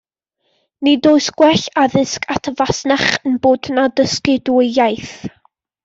Nid oes gwell addysg at fasnach yn bod na dysgu dwy iaith.